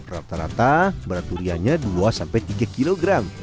rata rata berat duriannya di luas sampai tiga kilogram